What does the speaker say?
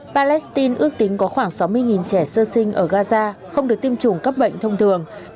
palestine ước tính có khoảng sáu mươi trẻ sơ sinh ở gaza không được tiêm chủng cấp bệnh thông thường